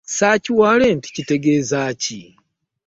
Search warrant kitegeeza ki?